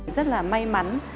rất là may mắn